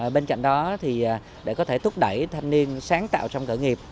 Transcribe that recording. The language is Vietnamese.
bên cạnh đó để có thể thúc đẩy thanh niên sáng tạo trong khởi nghiệp